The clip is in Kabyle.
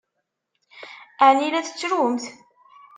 Ɛni la tettrumt?